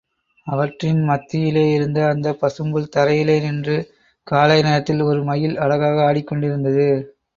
அவற்றின் மத்தியில் இருந்த அந்தப் பசும்புல் தரையிலே நின்று, காலை நேரத்தில் ஒரு மயில் அழகாக ஆடிக் கொண்டிருந்தது.